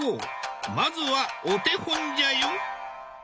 まずはお手本じゃよ。